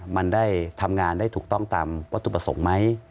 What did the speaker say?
มันได้ทำงานได้ถูกต้องตามวัตถุประสงค์ไหม